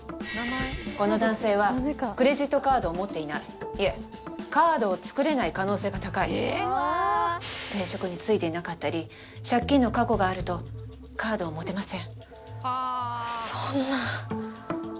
この男性はクレジットカードを持っていないいえカードを作れない可能性が高い定職に就いていなかったり借金の過去があるとカードを持てません